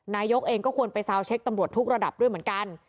นายกเองก็ควรไปซาวเช็คตำรวจทุกระดับด้วยเหมือนกัน